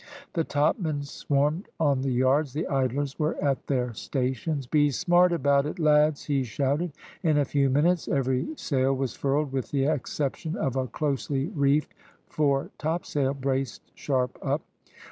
The topmen swarmed on the yards, the idlers were at their stations. "Be smart about it, lads!" he shouted. In a few minutes every sail was furled, with the exception of a closely reefed fore topsail, braced sharp up.